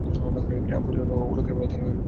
আনীস বলল, লোকেরা বলে, তিনি যাদুকর, জ্যোতিষ, কবি।